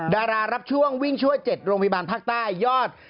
ดารารับช่วงวิ่งช่วย๗โรงพยาบาลภาคใต้ยอด